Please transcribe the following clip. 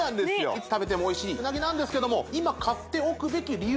いつ食べてもおいしいうなぎなんですけども実はですね